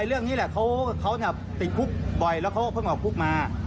เรื่องนี้แหละเขาติดคุกบ่อยแล้วเขาก็เพิ่งออกคุกมา